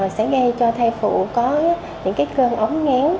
sẽ gây cho thai phụ có những cơn ổn nghén